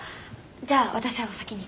じゃあ私はお先に。